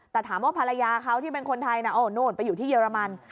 แต่ถามว่าภรรยาเขาที่เป็นคนไทยนะโอ้นู่นไปอยู่ที่เยอรมัน